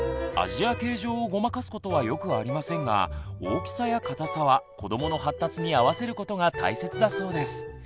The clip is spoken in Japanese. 味や形状をごまかすことはよくありませんが大きさや固さは子どもの発達に合わせることが大切だそうです。